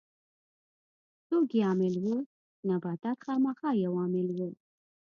څوک یې عامل وو؟ نباتات خامخا یو مهم عامل و.